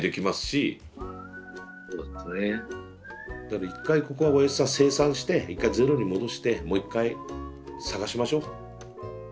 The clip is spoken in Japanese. だから一回ここはおやぢさん清算して一回ゼロに戻してもう一回探しましょ。